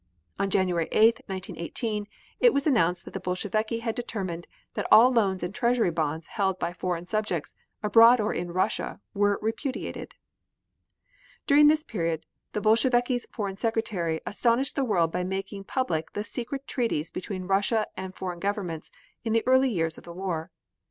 On January 8, 1918, it was announced that the Bolsheviki had determined that all loans and Treasury bonds held by foreign subjects, abroad or in Russia, were repudiated. During this period the Bolsheviki's Foreign Secretary astonished the world by making public the secret treaties between Russia and foreign governments in the early years of the war.